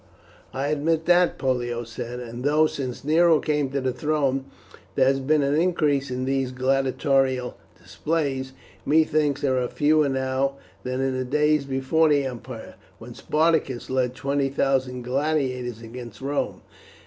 "I admit that," Pollio said, "and though, since Nero came to the throne, there has been an increase in these gladiatorial displays, methinks there are fewer now than in the days before the Empire, when Spartacus led twenty thousand gladiators against Rome.